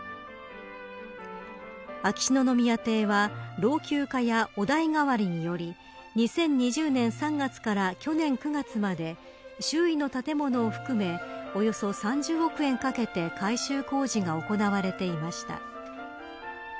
秋篠宮邸は老朽化やお代替わりにより２０２０年３月から去年９月まで周囲の建物を含めおよそ３０億円かけて改修工事が行われていました。